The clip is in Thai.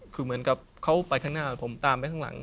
คือเหมือนกับเขาไปข้างหน้าผมตามไปข้างหลัง